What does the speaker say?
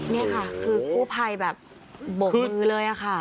นี่ค่ะคือกู้ภัยแบบโบกมือเลยค่ะ